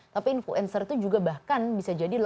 tapi influencer itu juga bahkan bisa jadi